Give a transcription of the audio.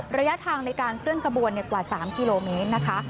ระยะทางในการเคลื่อนขบวนกว่า๓กิโลเมตรนะคะ